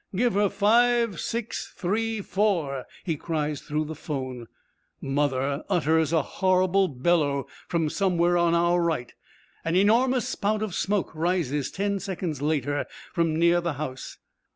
'Give her five six three four,' he cries through the 'phone. 'Mother' utters a horrible bellow from somewhere on our right. An enormous spout of smoke rises ten seconds later from near the house.